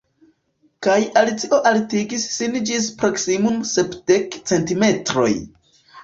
Kaj Alicio altigis sin ĝis proksimume sepdek centimetroj.